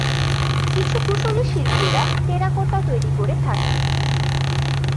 কিছু কুশলী শিল্পীরা টেরাকোটা তৈরি করে থাকেন।